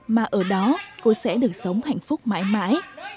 mà ở đó cô sẽ được sống hạnh phúc mãi mãi